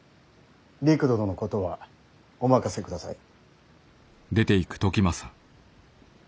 りく殿のことはお任せください。